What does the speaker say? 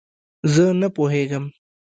زۀ نۀ پوهېږم.